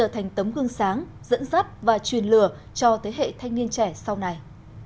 tương sáng dẫn dắt và truyền lừa cho thế hệ thanh niên trẻ sau này